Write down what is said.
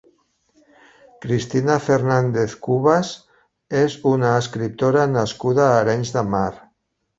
Cristina Fernández Cubas és una escriptora nascuda a Arenys de Mar.